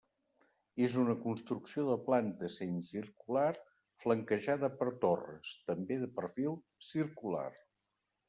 És una construcció de planta semicircular flanquejada per torres, també de perfil circular.